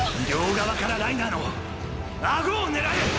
両側からライナーの顎を狙え！！